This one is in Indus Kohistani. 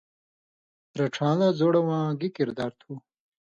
رڇھان٘لہ زوڑہۡ واں گی کِردار تُھو؟